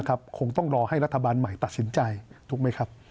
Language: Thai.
คงต้องรอให้รัฐบาลใหม่ตัดสินใจถูกไหมครับ